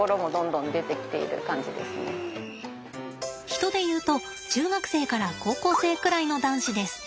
人で言うと中学生から高校生くらいの男子です。